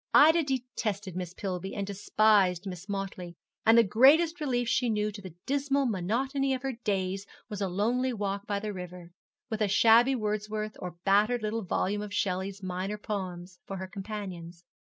Ida detested Miss Pillby and despised Miss Motley; and the greatest relief she knew to the dismal monotony of her days was a lonely walk by the river, with a shabby Wordsworth or a battered little volume of Shelley's minor poems for her companions.